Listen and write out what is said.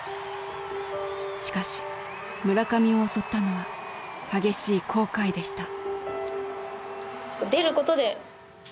しかし村上を襲ったのは激しい後悔でした。